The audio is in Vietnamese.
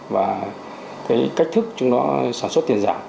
và cách thức chúng nó sản xuất tiền giả